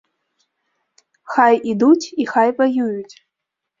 Хай ідуць і хай ваююць.